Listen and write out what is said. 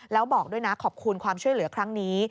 แล้วบอกด้วยนะขอบคุณความช่วยเหลือครั้งนี้